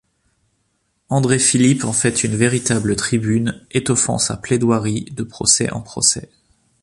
André Philip en fait une véritable tribune, étoffant sa plaidoirie de procès en procès.